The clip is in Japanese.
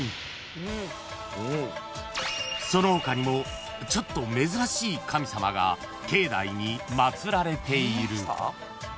［その他にもちょっと珍しい神様が境内に祭られている］